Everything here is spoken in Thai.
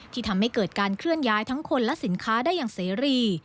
ที่ทำให้เกิดการเคลื่อนย้ายทั้งคนและสินค้าได้อย่างเสรี